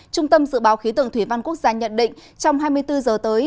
trung tâm dự báo khí tượng thủy văn quốc gia nhận định trong hai mươi bốn giờ tới